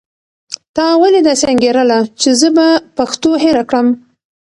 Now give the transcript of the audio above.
تا ولې داسې انګېرله چې زه به پښتو هېره کړم؟